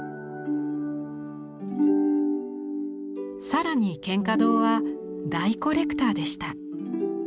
更に蒹葭堂は大コレクターでした。